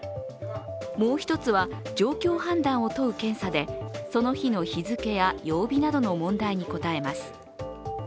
もう一つは状況判断を問う検査で、その日の日付や曜日などの問題に答えます。